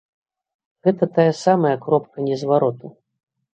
Гэта тая самая кропка незвароту.